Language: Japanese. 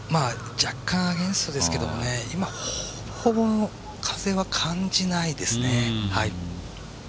若干アゲンストですけどほぼ風は感じないですね。